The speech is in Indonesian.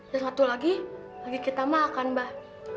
dan satu lagi lagi kita makan mbah